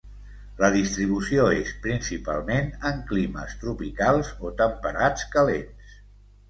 La distribució és, principalment, en climes tropicals o temperats calents.